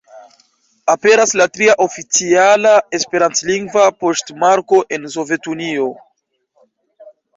Aperas la tria oficiala esperantlingva poŝtmarko en Sovetunio.